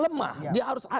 terhadap yang lemah